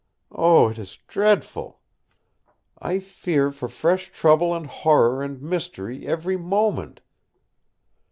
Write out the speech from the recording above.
Oh, it is dreadful! I fear for fresh trouble and horror and mystery every moment."